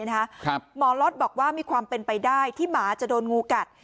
หมอล็อตบอกว่ามีความเป็นไปได้ที่หมาจะโดนงูกัด